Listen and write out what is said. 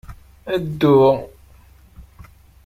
Ddu!